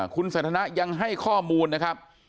คุณสาธารณะยังให้ข้อมูลนะครับ